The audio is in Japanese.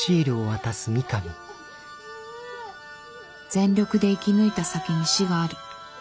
全力で生き抜いた先に死がある。